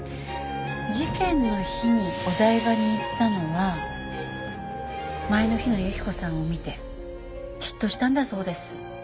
事件の日にお台場に行ったのは前の日の雪子さんを見て嫉妬したんだそうです。